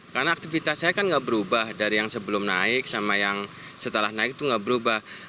karena aktivitas saya kan nggak berubah dari yang sebelum naik sama yang setelah naik itu nggak berubah